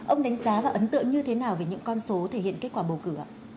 ông đánh giá và ấn tượng như thế nào về những con số thể hiện kết quả bầu cử ạ